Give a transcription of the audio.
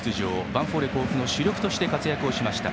ヴァンフォーレ甲府の主力として活躍しました。